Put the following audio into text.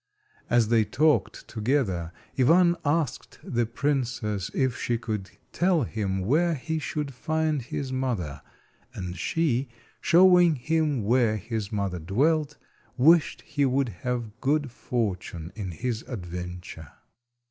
As they talked together, Ivan asked the princess if she could tell him where he should find his mother, and she, showing him where his mother dwelt, wished he would have good fortune in his adventure.